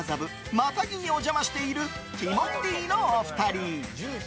またぎにお邪魔しているティモンディのお二人。